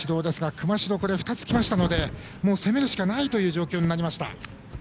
熊代、２つきましたので攻めるしかない状況になりました。